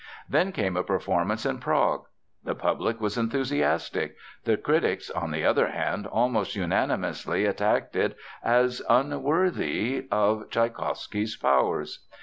Then came a performance in Prague. The public was enthusiastic. The critics, on the other hand, almost unanimously attacked it as unworthy of Tschaikowsky's powers.